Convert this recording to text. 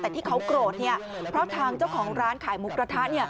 แต่ที่เขาโกรธเพราะทางเจ้าของร้านขายหมูกระทะ